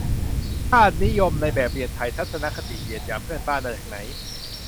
"ชาตินิยมในแบบเรียนไทย" ทัศนคติเหยียดหยามเพื่อนบ้าน มาจากไหน ?